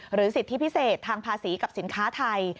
สิทธิพิเศษทางภาษีกับสินค้าไทย